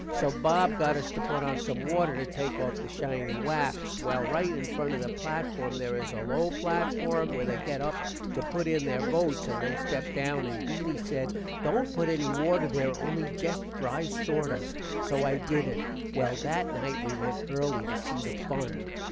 so Bob got us to put on some water to take off the shiny wax. well write in front of the platform there is a low platform where they get up to put in their votes and then step down and Beany said, dont put any water there only jest dry sordust. so i dident. well that night we went erly to see the fun.